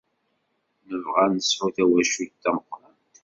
Nebɣa ad nesɛu tawacult tameqrant.